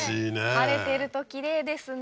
晴れてるときれいですね。